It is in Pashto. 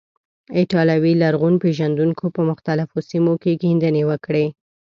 ایټالوي لرغون پیژندونکو په مختلفو سیمو کې کیندنې وکړې.